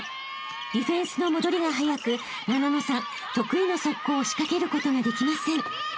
［ディフェンスの戻りが早くななのさん得意の速攻を仕掛けることができません］